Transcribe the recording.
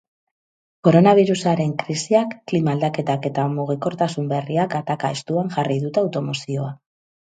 Koronabirusaren krisiak, klima aldaketak eta mugikortasun berriak ataka estuan jarri dute automozioa.